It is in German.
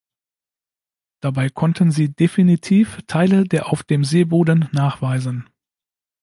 Dabei konnten sie definitiv Teile der auf dem Seeboden nachweisen.